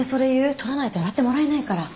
取らないと洗ってもらえないから。